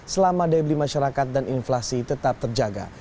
selama debli masyarakat dan inflasi tetap terjaga